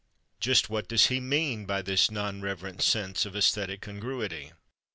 Just what does he mean by this "non reverent sense of æsthetic congruity"?